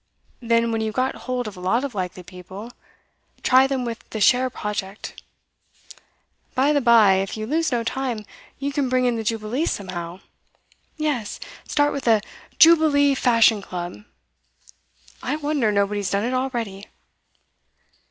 Then, when you've got hold of a lot of likely people, try them with the share project. By the bye, if you lose no time, you can bring in the Jubilee somehow. Yes, start with the "Jubilee Fashion Club." I wonder nobody's done it already.